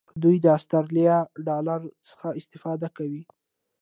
دوی د آسترالیایي ډالر څخه استفاده کوي.